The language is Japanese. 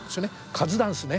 カズダンスね。